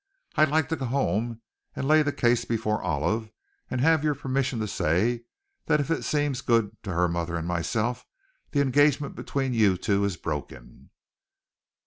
I'd like to go home and lay the case before Olive, and have your permission to say that if it seems good to her mother and myself, the engagement between you two is broken."